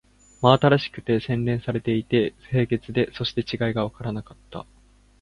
真新しくて、洗練されていて、清潔で、そして違いがわからなかった